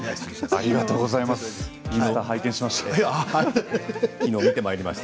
ありがとうございます。